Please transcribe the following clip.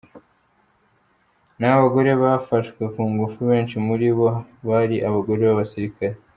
Naho abagore bafashwe ku ngufu benshi muri bo bari abagore b’abasirikare.